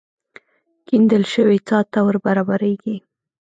کېندل شوې څاه ته ور برابرېږي.